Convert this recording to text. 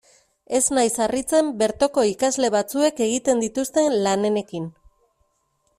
Ez naiz harritzen bertoko ikasle batzuek egiten dituzten lanenekin.